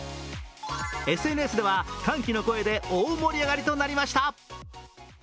ＳＮＳでは歓喜の声で大盛り上がりとなりました。